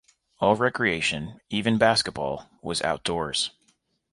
All recreation, even basketball, was outdoors.